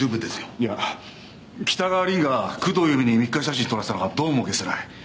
いや北川凛が工藤由美に密会写真撮らせたのがどうも解せない。